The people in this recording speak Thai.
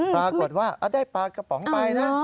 ปรากฏว่าได้ปลากระป๋องไปนะ